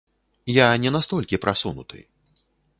Я не настолькі прасунуты.